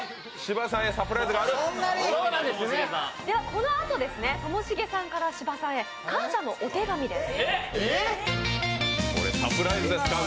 このあとともしげさんから芝さんへ感謝のお手紙です。